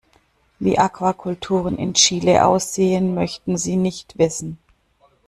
Wie Aquakulturen in Chile aussehen, möchten Sie nicht wissen.